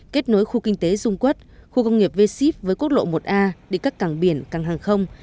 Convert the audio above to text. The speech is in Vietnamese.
kết nối khu kinh tế dung quất khu công nghiệp v ship với quốc lộ một a đi các càng biển càng hàng không